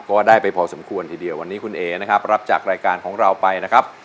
ก็ได้ไปพอสมควรทีเดียววันนี้คุณเอ๋นะครับรับจากรายการของเราไปนะครับ